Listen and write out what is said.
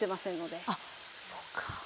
ああそうか。